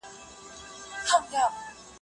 زما په کورنۍ کي ټول خلګ پښتو خبرې کوي.